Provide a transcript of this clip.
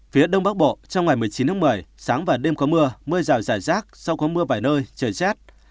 phía đông bắc bộ trong ngày một mươi chín tháng một mươi sáng và đêm có mưa mưa rào rải rác sau có mưa vài nơi trời rét